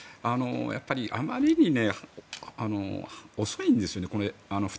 やっぱりあまりにね遅いんですよね。